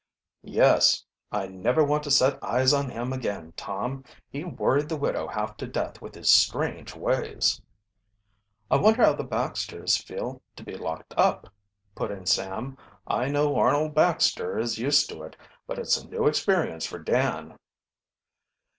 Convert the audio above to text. "Yes; I never want to set eyes on him again, Tom. He worried the widow half to death with his strange ways." "I wonder how the Baxters feel to be locked up?" put in Sam. "I know Arnold Baxter is used to it, but it's a new experience for Dan."